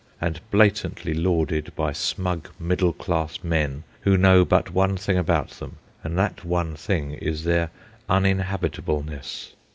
and blatantly lauded by smug middle class men who know but one thing about them, and that one thing is their uninhabitableness.